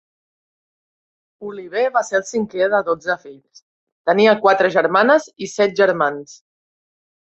Oliver va ser el cinquè de dotze fills, tenia quatre germanes i set germans.